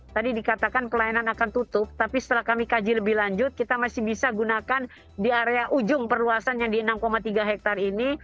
tadi dikatakan pelayanan akan tutup tapi setelah kami kaji lebih lanjut kita masih bisa gunakan di area ujung perluasan yang di enam tiga hektare ini